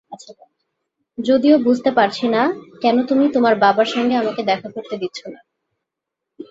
যদিও বুঝতে পারছিনা, কেন তুমি তোমার বাবার সঙ্গে আমাকে দেখা করতে দিচ্ছ না।